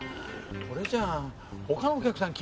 これじゃあ他のお客さん来ませんから。